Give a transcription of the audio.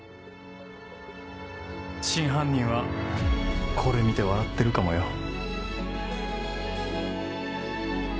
真犯人はこれ見て笑ってるかもよ